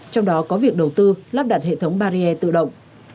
trong đó có việc đầu tư lắp đặt hệ thống barrier tự động